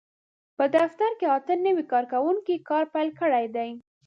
په دفتر کې اته نوي کارکوونکي کار پېل کړی دی.